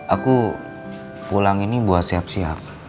aku pulang ini buat siap siap